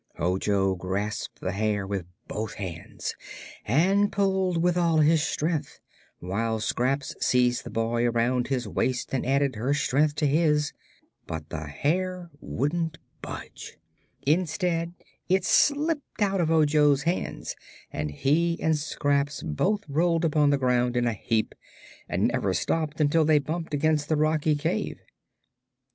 Ojo grasped the hair with both hands and pulled with all his strength, while Scraps seized the boy around his waist and added her strength to his. But the hair wouldn't budge. Instead, it slipped out of Ojo's hands and he and Scraps both rolled upon the ground in a heap and never stopped until they bumped against the rocky cave.